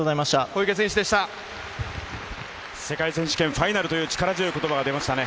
世界選手権ファイナルという力強い言葉がありました。